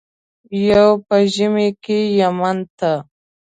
یو په ژمي کې یمن ته.